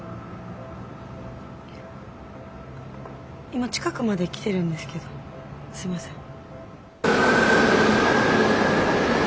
今近くまで来てるんですけどすいません。